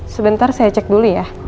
sebentar saya cek dulu ya